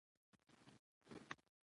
-بیک سمند: